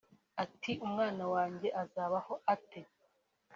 Ati “Umwana wanjye azabaho ate